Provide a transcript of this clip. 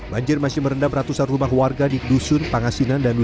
banjir masih merendam ratusan rumah warga di dusun panasinan dan dube